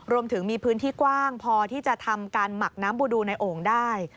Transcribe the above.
รวมถึงมีพื้นที่กว้างพอที่จะทำการหมักน้ำบูดูในโอ่งได้